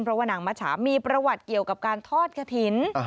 เพราะว่านางมะฉามีประวัติเกี่ยวกับการทอดกระถิ่น